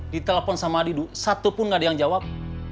ditelepon sama didu satupun gak ada yang jawab